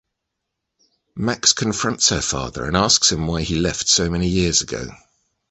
Max confronts her father and asks him why he left so many years ago.